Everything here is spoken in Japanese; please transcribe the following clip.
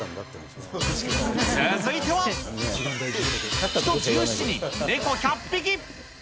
続いては、人１７人ネコ１００匹。